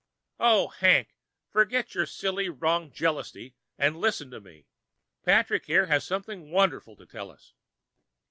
"Oh, Hank, forget your silly, wrong jealousy and listen to me. Patrick here has something wonderful to tell us."